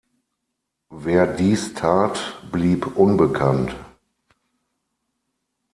Wer dies tat, blieb unbekannt.